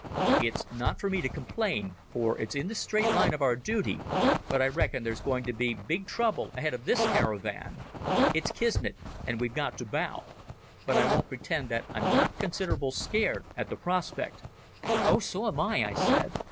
"It's not for me to complain, for it's in the straight line of our dooty, but I reckon there's going to be big trouble ahead of this caravan. It's Kismet, and we've got to bow. But I won't pretend that I'm not considerable scared at the prospect." "Oh, so am I," I said.